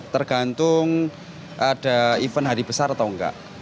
tergantung ada event hari besar atau enggak